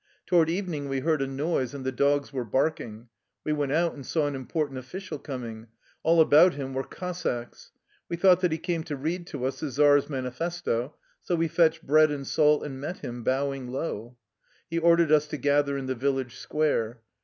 Toward evening we heard a noise, and the dogs were barking. We went out and saw an important official coming. All about him were Cossacks. We thought that he came to read to us the czar's manifesto, so we fetched bread and salt and met him, bowing low. He ordered us to gather in the village square.